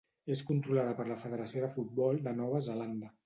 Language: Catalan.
És controlada per la Federació de Futbol de Nova Zelanda.